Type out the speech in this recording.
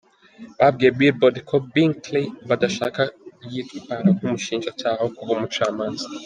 Babwiye Billboard ko Brinkley badashaka ‘yitwara nk’umushinjacyaha aho kuba umucamanza’.